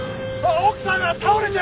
奥さんが倒れて！